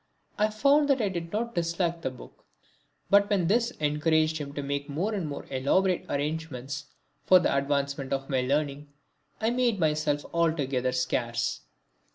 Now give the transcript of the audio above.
I found that I did not dislike the book; but when this encouraged him to make more elaborate arrangements for the advancement of my learning I made myself altogether scarce.